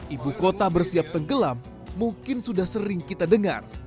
ibu kota bersiap tenggelam mungkin sudah sering kita dengar